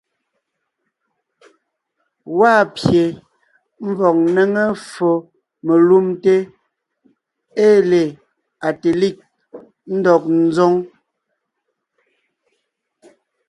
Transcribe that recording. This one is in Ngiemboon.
Gwaa pye ḿvɔg ńnéŋe ffo melumte ée le Agtelig ńdɔg ńzoŋ.